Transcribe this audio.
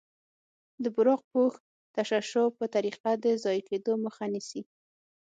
د براق پوښ تشعشع په طریقه د ضایع کیدو مخه نیسي.